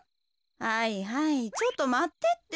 はいはいちょっとまってって。